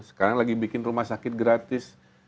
sekarang lagi bikin rumah sakit gratis